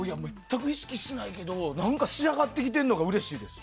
全く意識してないけど何か仕上がってきてるのがうれしいです。